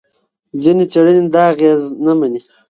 ځینې څېړنې دا اغېز نه مني.